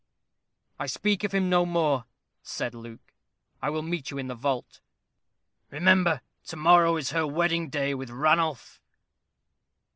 "I speak of him no more," said Luke. "I will meet you in the vault." "Remember, to morrow is her wedding day with Ranulph."